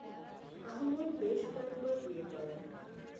আহমদ বেশ কয়েকবার বিয়ে করেন।